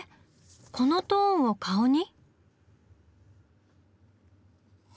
このトーンを顔に？